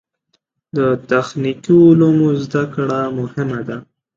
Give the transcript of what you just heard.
د تخنیکي علومو زده کړه مهمه ده.